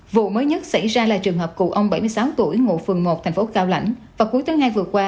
vụ mới nhất xảy ra là trường hợp cụ ông bảy mươi sáu tuổi ngụ phường một thành phố cao lãnh vào cuối tháng hai vừa qua